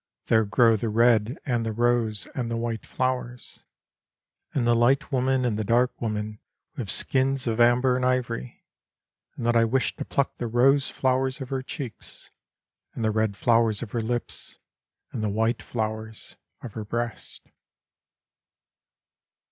There grow the red and the rose and the wJiite flowers, And the light women and the dark women, with skins of amber and ivory. And that I wish to pluck the rose flowers of her cheeks And the red flowers of her lips and the white flowers of her breasts.